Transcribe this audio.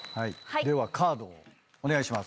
ではカードをお願いします。